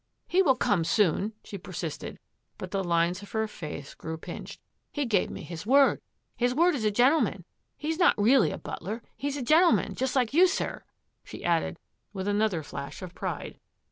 " He will come soon," she persisted, but the lines of her face grew pinched. " He gave me his word — his word as a gentleman. He's not really a butler; he's a gentleman, just like you, sir," she added, with another flash of pride.